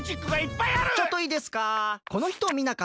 ちょっといいですか？